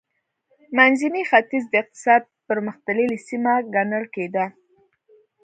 منځنی ختیځ د اقتصاد پرمختللې سیمه ګڼل کېده.